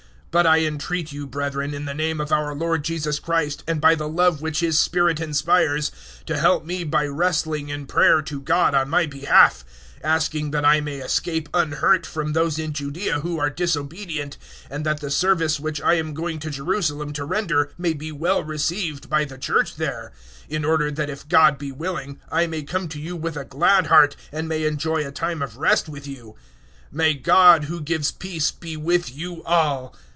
015:030 But I entreat you, brethren, in the name of our Lord Jesus Christ and by the love which His Spirit inspires, to help me by wrestling in prayer to God on my behalf, 015:031 asking that I may escape unhurt from those in Judaea who are disobedient, and that the service which I am going to Jerusalem to render may be well received by the Church there, 015:032 in order that if God be willing I may come to you with a glad heart, and may enjoy a time of rest with you. 015:033 May God, who gives peace be with you all!